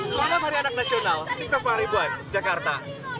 selamat hari anak nasional di tepang ribuan jakarta